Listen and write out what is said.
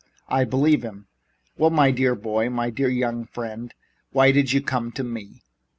I believe him." "Well, my dear boy my dear young friend! Why do you come to me?"